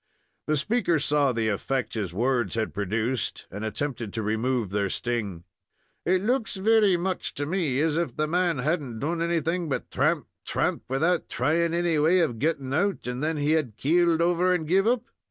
The speaker saw the effect his words had produced, and attempted to remove their sting. "It looks very much to me as if the man had n't done anything but thramp, thramp, without thrying any way of getting out, and then had keeled over and give up."